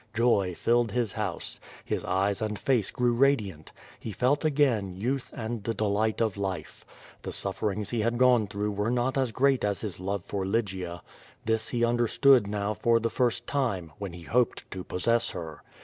Joy filled his house. His eyes and face grew radiant. He felt again youth and the delight of life. The sufferings he had gone through were not as great as his love for Lygia. This he understood now for the first time, when he hoped to possess her.